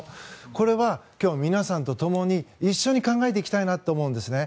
これは今日皆さんとともに一緒に考えていきたいなって思うんですね。